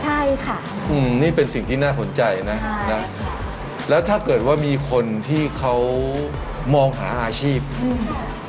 ใช่ค่ะอืมนี่เป็นสิ่งที่น่าสนใจนะนะแล้วถ้าเกิดว่ามีคนที่เขามองหาอาชีพอืม